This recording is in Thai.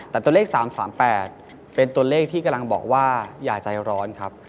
แต่ตัวเลข๓๓๘เป็นตัวเลขที่กำลังบอกว่าอย่าใจร้อนครับ